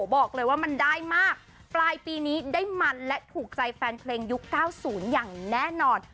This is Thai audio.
บอกเลยว่ามันได้มากปลายปีนี้ได้มันและถูกใจแฟนเพลงยุค๙๐อย่างแน่นอน